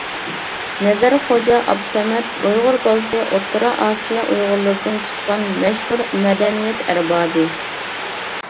نەزەر خوجا ئابدۇسەمەت (ئۇيغۇر بالىسى) ئوتتۇرا ئاسىيا ئۇيغۇرلىرىدىن چىققان مەشھۇر مەدەنىيەت ئەربابى.